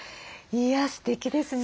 いやすてきですね。